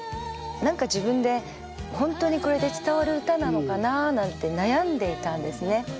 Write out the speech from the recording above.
何か自分で本当にこれで伝わる歌なのかなあなんて悩んでいたんですね。